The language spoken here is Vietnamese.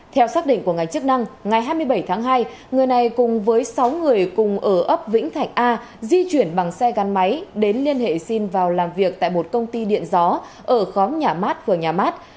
theo xác định của ngành chức năng ngày hai mươi bảy tháng hai người này cùng với sáu người cùng ở ấp vĩnh thạnh a di chuyển bằng xe gắn máy đến liên hệ xin vào làm việc tại một công ty điện gió ở khóm nhà mát phường nhà mát